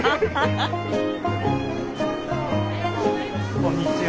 こんにちは。